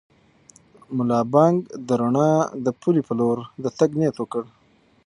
ملا بانګ د رڼا د پولې په لور د تګ نیت وکړ.